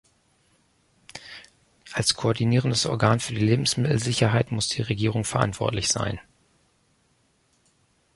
Als koordinierendes Organ für die Lebensmittelsicherheit muss die Regierung verantwortlich sein.